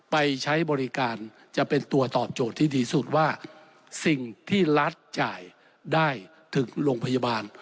ไปใช้บริการจะเป็นตัวตอบโจทย์ที่ดีสุดว่าสิ่งที่รัฐจ่ายได้ถึงโรงพยาบาล